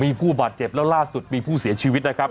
มีผู้บาดเจ็บแล้วล่าสุดมีผู้เสียชีวิตนะครับ